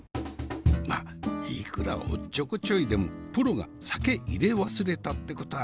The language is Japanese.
まあいくらおっちょこちょいでもプロが酒入れ忘れたってことはないわな。